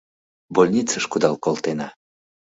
Больницыш кудал колтена.